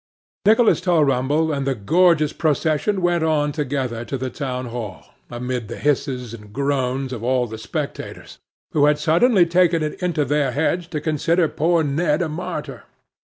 Nicholas Tulrumble and the gorgeous procession went on together to the town hall, amid the hisses and groans of all the spectators, who had suddenly taken it into their heads to consider poor Ned a martyr.